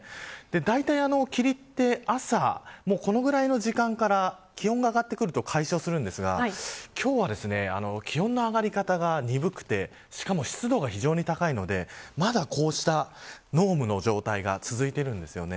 だいたい霧って朝のこのくらいの時間から気温が上がってくると解消するんですが今日は気温の上がり方が鈍くてしかも湿度が非常に高いのでまだこうした濃霧の状態が続いているんですよね。